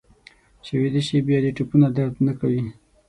چې ویده شې بیا دې ټپونه درد نه کوي.